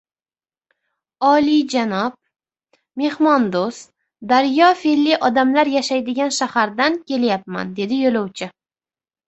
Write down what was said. – Olijanob, mehmondoʻst, daryo feʼlli odamlar yashaydigan shahardan kelyapman, – dedi yoʻlovchi.